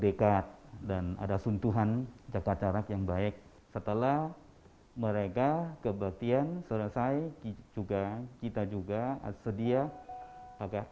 diimbau agar mengurangi aktivitas peribadatan yang bersifat massal